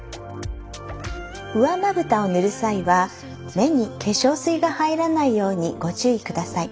上まぶたを塗る際は目に化粧水が入らないようにご注意ください。